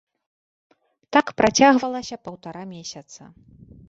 Так працягвалася паўтара месяца.